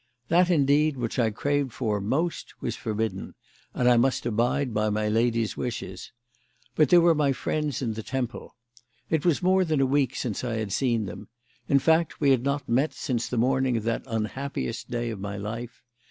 That, indeed, which I craved for most was forbidden, and I must abide by my lady's wishes; but there were my friends in the Temple. It was more than a week since I had seen them; in fact, we had not met since the morning of that unhappiest day of my life.